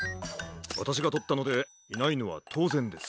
わたしがとったのでいないのはとうぜんです。